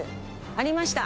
ありました。